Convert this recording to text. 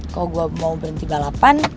kalau gue mau berhenti balapan